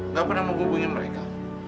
nggak pernah mau hubungi mereka